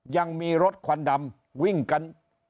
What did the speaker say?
ยังมีรถควันดำวิ่งกัน